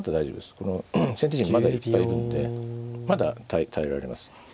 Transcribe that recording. この先手陣まだいっぱいいるんでまだ耐えられます。